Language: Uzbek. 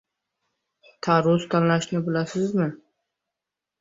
Tarvuz tanlashni bilasizmi?